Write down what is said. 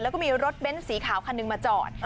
แล้วก็มีรถเบ้นสีขาวคันหนึ่งมาจอด